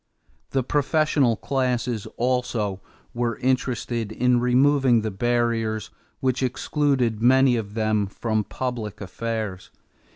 The professional classes also were interested in removing the barriers which excluded many of them from public affairs.